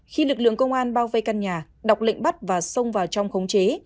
khi lực lượng công an bao vây căn nhà đọc lệnh bắt và xông vào trong khống chế